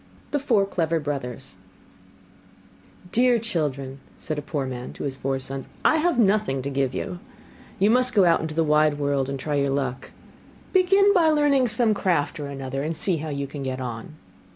THE FOUR CLEVER BROTHERS 'Dear children,' said a poor man to his four sons, 'I have nothing to give you; you must go out into the wide world and try your luck. Begin by learning some craft or another, and see how you can get on.